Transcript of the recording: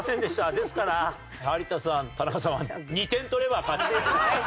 ですから有田さん田中さんは２点取れば勝ちと。